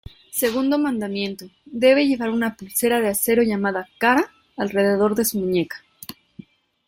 Segundo mandamiento: debe llevar una pulsera de acero llamada "kara", alrededor de su muñeca.